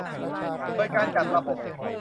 โดยการจัดระบบ